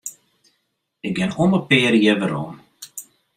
Ik gean om de pear jier werom.